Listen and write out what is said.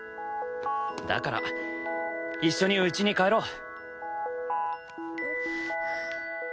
だから一緒にうちに帰ろう。